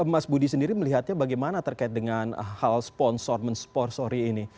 kalau mas budi sendiri melihatnya bagaimana terkait dengan hal sponsorman sponsori ini